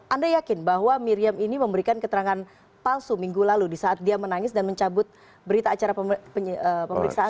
anda yakin bahwa miriam ini memberikan keterangan palsu minggu lalu di saat dia menangis dan mencabut berita acara pemeriksaan